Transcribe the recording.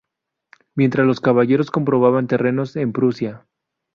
Mientras los caballeros compraban terrenos en Prusia.